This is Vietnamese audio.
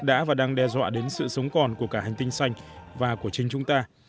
đã và đang đe dọa đến sự sống còn của cả hành tinh xanh và của chính chúng ta